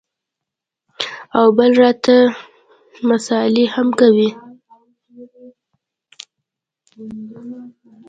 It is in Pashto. او بل راته مسالې هم کوې.